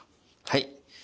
はい。